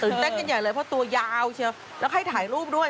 เต้นกันใหญ่เลยเพราะตัวยาวเชียวแล้วให้ถ่ายรูปด้วย